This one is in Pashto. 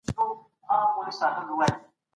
سانسور سوي کتابونه د مطالعې مينه وژني.